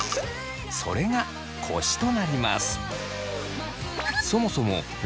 それがコシとなります。